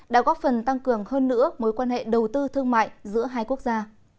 đã góp phần tăng cường hơn nữa mối quan hệ đầu tư thương mại giữa hai quốc gia